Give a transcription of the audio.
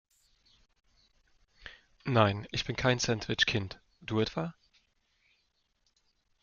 Nein, ich bin kein Sandwich-Kind. Du etwa?